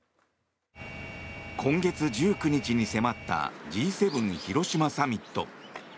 今月１９日に迫ったＧ７広島サミット。